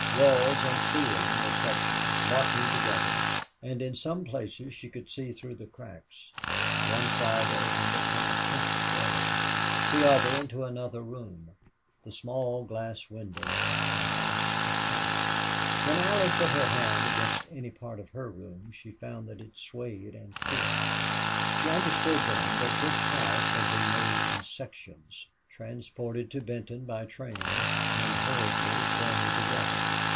Walls and ceiling were sections, locking together, and in some places she could see through the cracks. One side opened upon a tent wall; the other into another room; the small glass windows upon a house of canvas. When Allie put her hand against any part of her room she found that it swayed and creaked. She understood then that this house had been made in sections, transported to Benton by train, and hurriedly thrown together.